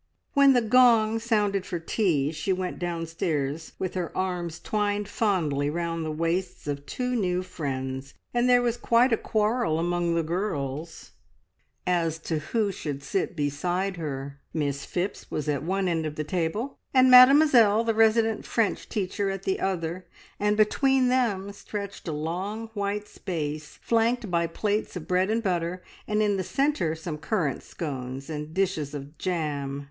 When the gong sounded for tea, she went downstairs with her arms twined fondly round the waists of two new friends, and there was quite a quarrel among the girls, as to who should sit beside her. Miss Phipps was at one end of the table, and Mademoiselle, the resident French teacher, at the other, and between them stretched a long white space flanked by plates of bread and butter, and in the centre some currant scones, and dishes of jam.